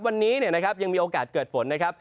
วันนี้นะครับยังมีโอกาสเกิดฝนนะครับ